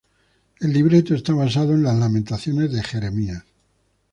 El libreto está basado en las lamentaciones de Jeremías.